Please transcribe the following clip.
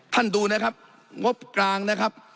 ดูนะครับงบกลางนะครับ